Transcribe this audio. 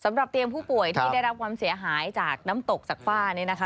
สำหรับเตียงผู้ป่วยที่ได้รับความเสียหายจากน้ำตกจากฝ้านี้นะคะ